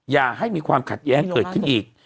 อย่าให้มีความขัดแย้งเกิดขึ้นอีก